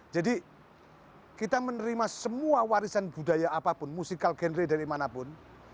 jadi kita menerima semua warisan budaya apapun musikal genre dari manapun